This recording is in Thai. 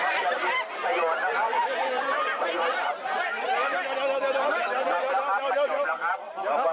รับความรับความความโลงรับ